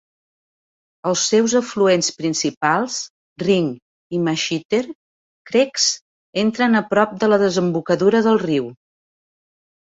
Els seus afluents principals, Ring i Mashiter Creeks, entren a prop de la desembocadura del riu.